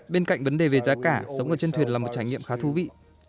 bên cạnh vấn đề về giá cả sống ở trên thuyền là một trải nghiệm khá thú vị